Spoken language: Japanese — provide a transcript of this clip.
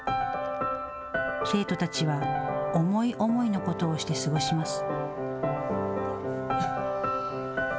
生徒たちは思い思いのことをして過ごします。